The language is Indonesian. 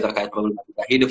terkait kalau belum pernah hidup